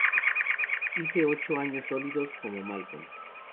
Hice ocho años sólidos como Malcolm".